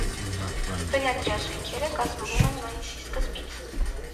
Բնադրազույգերը կազմվում են մայիսի սկզբից։